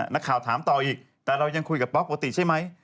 นักข่าวถามต่ออีกแต่เรายังคุยกับป๊อกปกติใช่ไหม